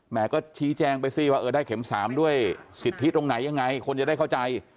ก็ชี้แจงไปสิว่าเออได้เข็ม๓ด้วยสิทธิตรงไหนยังไงคนจะได้เข้าใจ